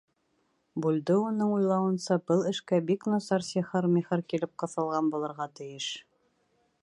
Бульдеоның уйлауынса, был эшкә бик насар сихыр-михыр килеп ҡыҫылған булырға тейеш.